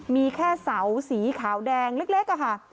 มีแค่เสาสีขาวแดงเล็กค่ะ